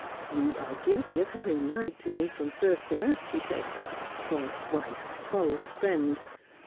" You are guilty of having lied to me from first to last," he said, "false wife, false friend.